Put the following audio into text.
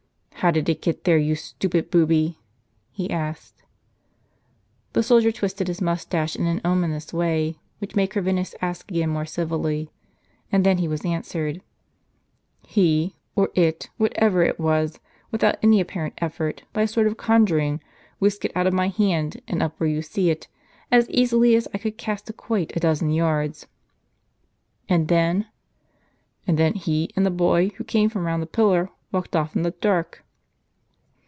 " How did it get there, you stupid booby? " he asked. The soldier twisted his moustache in an ominous way, which made Corvinus ask again more civilly, and then he was answered :" He, or it, whatever it was, without any apparent effort, by a sort of conjuring, whisked it out of my hand, and up where you see it, as easily as I could cast a quoit a dozen yards." "And then?" " And then, he and the boy, who came from round the pillar, walked off in the dark."